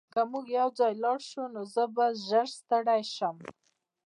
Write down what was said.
که موږ یوځای لاړ شو نو زه به ژر ستړی شم